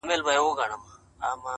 • ګیله من یم -